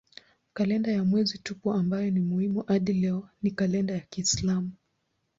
Kalenda ya mwezi tupu ambayo ni muhimu hadi leo ni kalenda ya kiislamu.